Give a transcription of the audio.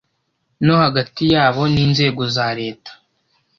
no hagati y abo n inzego za leta